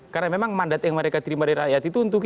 karena memang mandat yang mereka terima dari rakyat itu untuk